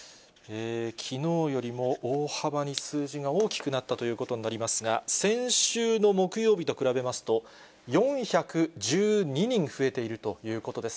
きのうよりも大幅に数字が大きくなったということになりますが、先週の木曜日と比べますと、４１２人増えているということです。